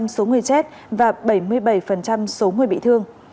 năm mươi số người chết và bảy mươi bảy số người bị thương